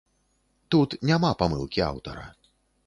Тут няма памылкі аўтара.